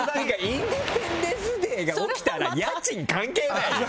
インデペンデンス・デイが起きたら家賃関係ないよ。